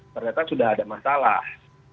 ternyata sudah ada masalah